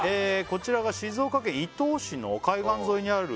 こちらが「静岡県伊東市の海岸沿いにある」